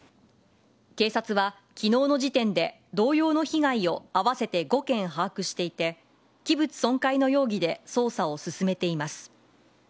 警察は、きのうの時点で同様の被害を合わせて５件報告していて、器物損壊の容疑で捜査を進めています。